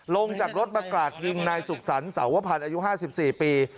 ลงจากรถมากราดยิงนายสุขสรรค์สาวพันธ์อายุ๕๔ปี